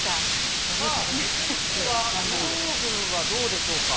続いては有働軍はどうでしょうか。